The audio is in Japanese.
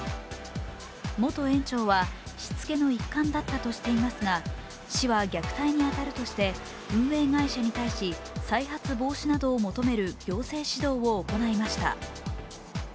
元園長はしつけの一環だったとしていますが市は虐待に当たるとして運営会社に対し再発防止などを求める行政指導を行いました。